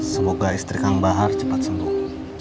semoga istri kang bahar cepat sembuh